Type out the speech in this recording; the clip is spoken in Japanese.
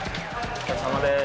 お疲れさまです。